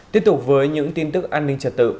tiếp tục với những tin tức an ninh trật tự